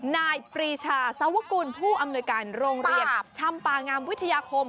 นายปรีชาสวกุลผู้อำนวยการโรงเรียนชำปางามวิทยาคม